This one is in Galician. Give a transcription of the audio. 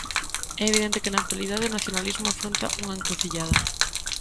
É evidente que na actualidade o nacionalismo afronta unha encrucillada.